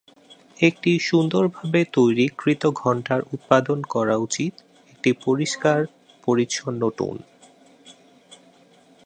একটি সুন্দর ভাবে তৈরি কৃত ঘণ্টার উৎপাদন করা উচিত একটি পরিষ্কার, পরিচ্ছন্ন টোন।